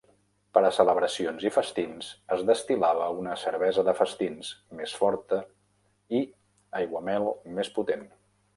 Per a celebracions i festins, es destil·lava una "cervesa de festins" més forta i aiguamel més potent.